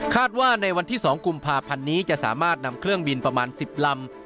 ว่าในวันที่๒กุมภาพันธ์นี้จะสามารถนำเครื่องบินประมาณ๑๐ลำ